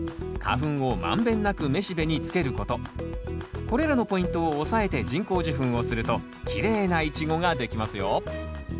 更にこれらのポイントを押さえて人工授粉をするときれいなイチゴができますよ